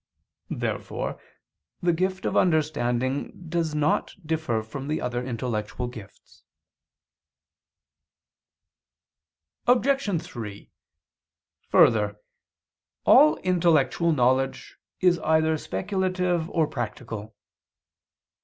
Therefore the gift of understanding does not differ from the other intellectual gifts. Obj. 3: Further, all intellectual knowledge is either speculative or practical.